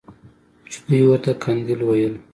چې دوى ورته قنديل ويل.